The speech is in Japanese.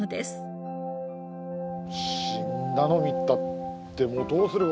死んだの見たってもうどうする事も。